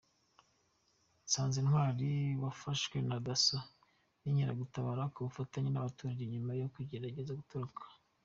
Nsanzintwari wafashwe na Dasso n’inkeragutabara ku bufatanye n’abaturage nyuma yo kugerageza gutoroka.